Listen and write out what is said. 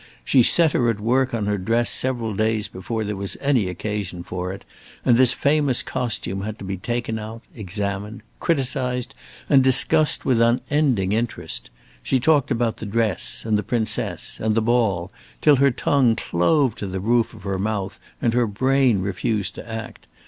She set her at work on her dress several days before there was any occasion for it, and this famous costume had to be taken out, examined, criticised, and discussed with unending interest. She talked about the dress, and the Princess, and the ball, till her tongue clove to the roof of her mouth, and her brain refused to act.